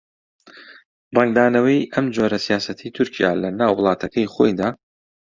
ڕەنگدانەوەی ئەم جۆرە سیاسەتەی تورکیا لەناو وڵاتەکەی خۆیدا